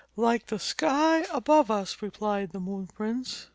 "Like the sky above us," replied the Moon Prince.